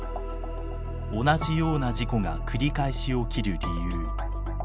同じような事故が繰り返し起きる理由。